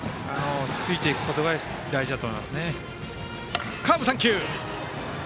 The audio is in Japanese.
ついていくことが大事だと思います。